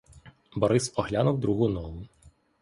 Борис оглянув другу ногу.